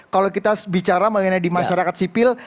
kalau kita bicara mengenai di masyarakat sipil